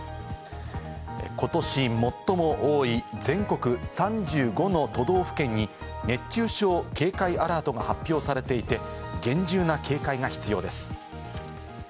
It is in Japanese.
ことし最も多い全国３５の都道府県に熱中症警戒アラートが発表されていて、厳重な警戒が必要です。